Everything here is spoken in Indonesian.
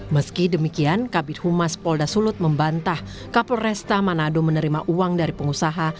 meski demikian kabir humas polda sulut membantah kapolresta manado menerima uang dari pengusaha